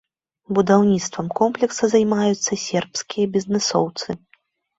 Будаўніцтвам комплекса займаюцца сербскія бізнэсоўцы.